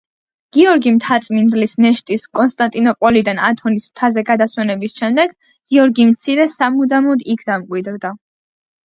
გიორგი მთაწმიდლის ნეშტის კონსტანტინოპოლიდან ათონის მთაზე გადასვენების შემდეგ გიორგი მცირე სამუდამოდ იქ დამკვიდრდა.